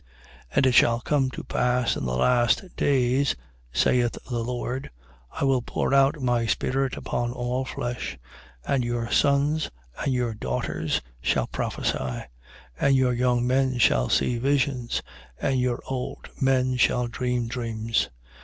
And it shall come to pass, in the last days, (saith the Lord), I will pour out of my Spirit upon all flesh: and your sons and your daughters shall prophesy: and your young men shall see visions, and your old men shall dream dreams.